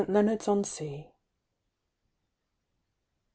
Leonards on Sea. X.